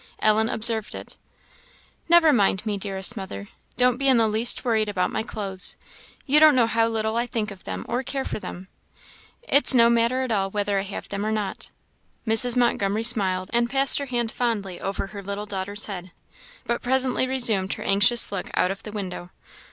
Ellen observed it. "Never mind me, dearest mother; don't be in the least worried about my clothes. You don't know how little I think of them or care for them. It's no matter at all whether I have them or not." Mrs. Montgomery smiled, and passed her hand fondly over her little daughter's head, but presently resumed her anxious look out of the window.